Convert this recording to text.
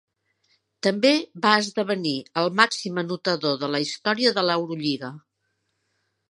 També va esdevenir el màxim anotador de la història de l'Eurolliga.